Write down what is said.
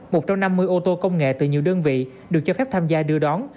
một trong năm mươi ô tô công nghệ từ nhiều đơn vị được cho phép tham gia đưa đón